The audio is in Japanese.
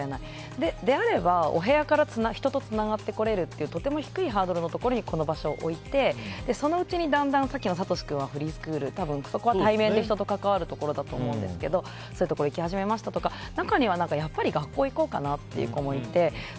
だとすればお部屋からつながってこられるとても低いハードルのところにこの場所を置いてそのうちにだんだんさっきのサトシ君はフリースクールそこは対面で人と関わるところだと思うんですがそういうところ行き始めましたとか中には学校に行こうかなっていう子もいて。